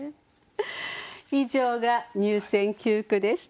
以上が入選九句でした。